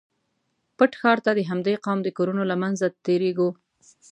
پټ ښار ته د همدې قوم د کورونو له منځه تېرېږو.